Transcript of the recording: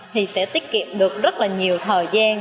thì sẽ tiết kiệm được rất nhiều thời gian